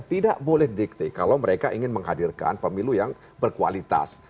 tidak boleh dikti kalau mereka ingin menghadirkan pemilu yang berkualitas